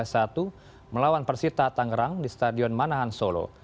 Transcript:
pria tersebut melawan persita tangerang di stadion manahan solo